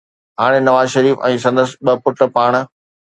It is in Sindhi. هاڻي نواز شريف ۽ سندس ٻه پٽ پاڻ